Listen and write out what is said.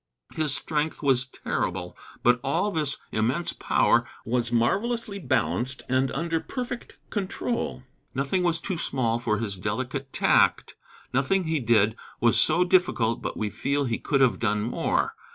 His strength was terrible. But all this immense power was marvelously balanced and under perfect control. Nothing was too small for his delicate tact. Nothing that he did was so difficult but we feel he could have done more.